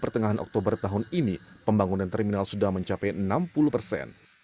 pertengahan oktober tahun ini pembangunan terminal sudah mencapai enam puluh persen